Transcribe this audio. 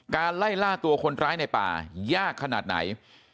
ไล่ล่าตัวคนร้ายในป่ายากขนาดไหน